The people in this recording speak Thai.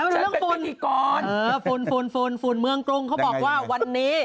ชั้นเป็นพิจิกรอ๋อฝุ่นคริมเมืองกรุงเขาบอกว่าวันนี้